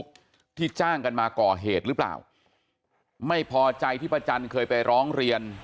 ที่จ้างกันมาก่อเหตุหรือเปล่าไม่พอใจที่ป้าจันเคยไปร้องเรียน